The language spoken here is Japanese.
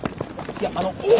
いやあのお！